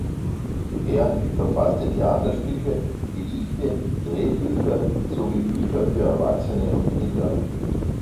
Er verfasste Theaterstücke, Gedichte, Drehbücher sowie Bücher für Erwachsene und Kinder.